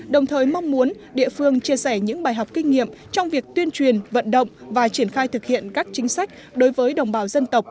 đồng thời mong muốn địa phương chia sẻ những bài học kinh nghiệm trong việc tuyên truyền vận động và triển khai thực hiện các chính sách đối với đồng bào dân tộc